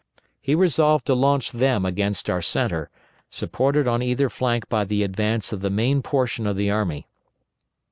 He resolved to launch them against our centre, supported on either flank by the advance of the main portion of the army.